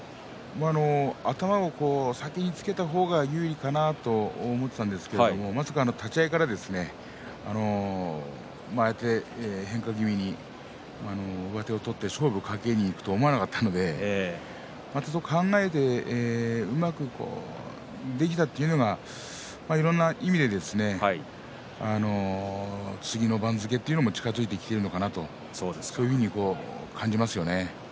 頭を先につけた方が有利かなと思っていたんですが立ち合いから変化気味に上手を取って勝負をかけにいくと思わなかったので考えて、うまくできたというのがいろんな意味で次の番付というのも近づいてきているのかなとそういうふうに感じますね。